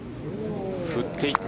振っていった。